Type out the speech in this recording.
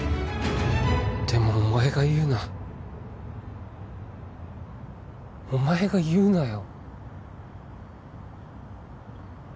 でもお前が言うなお前が言うなよ